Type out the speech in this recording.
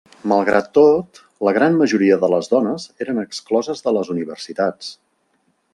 Malgrat tot, la gran majoria de les dones eren excloses de les universitats.